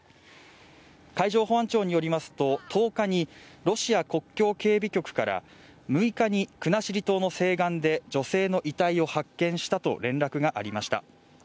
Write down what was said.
海上保安庁によりますと１０日にロシア国境警備局から６日に国後島の西岸で女性の遺体を発見したと連絡がありました。